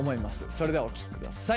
それではお聴き下さい。